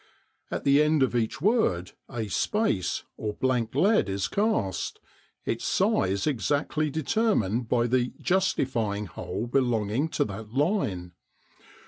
At the end of each word a "space" or blank lead is cast, its size exactly determined by the "justifying" hole belonging to that line.